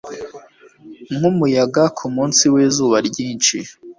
nkumuyaga kumunsi wizuba ryinshi